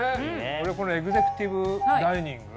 俺エグゼクティブダイニング